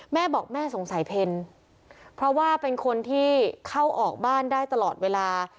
แม่บอกแม่สงสัยเพ็ญเพราะว่าเป็นคนที่เข้าออกบ้านได้ตลอดเวลา